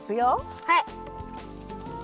はい。